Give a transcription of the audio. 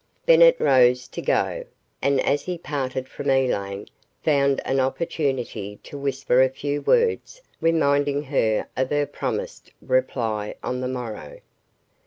Bennett rose to go, and, as he parted from Elaine, found an opportunity to whisper a few words reminding her of her promised reply on the morrow.